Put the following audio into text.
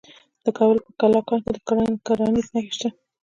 د کابل په کلکان کې د ګرانیټ نښې شته.